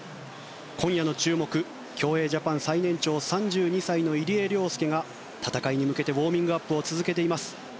今夜の注目競泳ジャパン最年長３２歳の入江陵介が戦いに向けてウォーミングアップを続けています。